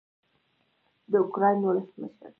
د اوکراین ولسمشر